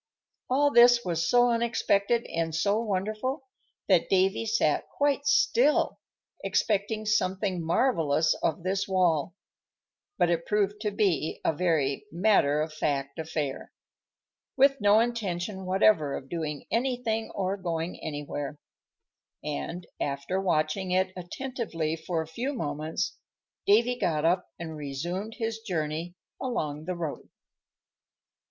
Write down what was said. All this was so unexpected and so wonderful that Davy sat quite still, expecting something marvellous of this wall; but it proved to be a very matter of fact affair, with no intention whatever of doing anything or going anywhere, and, after watching it attentively for a few moments, Davy got up and resumed his journey along the road.